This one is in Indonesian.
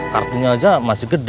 kartunya saja masih besar